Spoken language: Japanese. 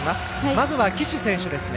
まずは岸選手ですね。